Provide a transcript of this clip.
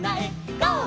ゴー！」